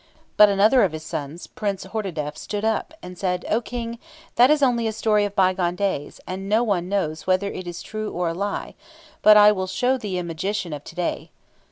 But another of his sons, Prince Hordadef, stood up, and said, "O King, that is only a story of bygone days, and no one knows whether it is true or a lie; but I will show thee a magician of to day."